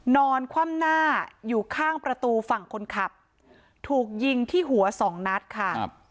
นอนคว่ำหน้าอยู่ข้างประตูฝั่งคนขับถูกยิงที่หัวสองนัดค่ะ